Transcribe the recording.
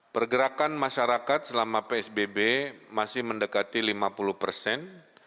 pergerakan masyarakat selama psbb masih mendekati lima puluh persen